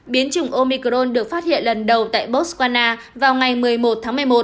biến chủng omicron được phát hiện lần đầu tại botswana vào ngày một mươi một tháng một mươi một